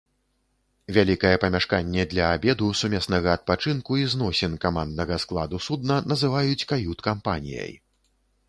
Вялікае памяшканне для абеду, сумеснага адпачынку і зносін каманднага складу судна называюць кают-кампаніяй.